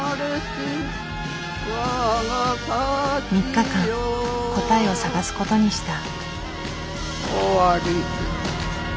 ３日間答えを探す事にした。